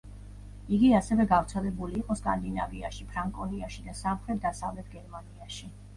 იგი ასევე გავრცელებული იყო სკანდინავიაში, ფრანკონიაში და სამხრეთ-დასავლეთ გერმანიაში.